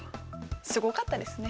すごかったですね。